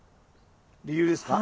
理由ですか？